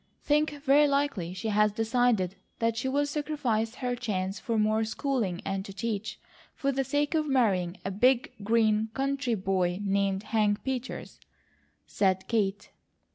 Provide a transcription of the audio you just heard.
"Think very likely she has decided that she'll sacrifice her chance for more schooling and to teach, for the sake of marrying a big, green country boy named Hank Peters," said Kate.